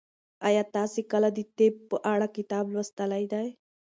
ایا تاسي کله د طب په اړه کتاب لوستی دی؟